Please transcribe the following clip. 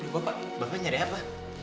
bapak nyari apa